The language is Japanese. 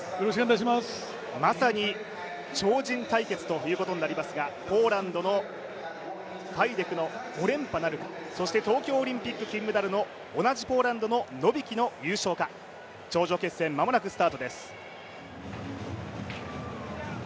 まさに超人対決ということになりますが、ポーランドのファイデクの５連覇なるか、そして東京オリンピック金メダルの、同じポーランドのノビキの優勝か、頂上決戦、間もなくスタートです。